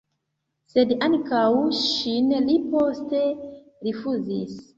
Sed ankaŭ ŝin li poste rifuzis.